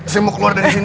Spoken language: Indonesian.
saya mau keluar dari sini